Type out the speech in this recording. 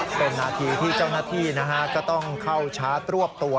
เป็นนาทีที่เจ้าหน้าที่นะฮะก็ต้องเข้าชาร์จรวบตัว